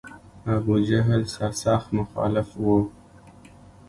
ابوجهل سر سخت مخالف و.